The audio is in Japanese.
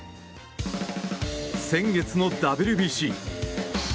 先月のＷＢＣ。